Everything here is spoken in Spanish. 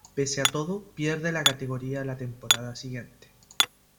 Pese a todo, pierde la categoría la temporada siguiente.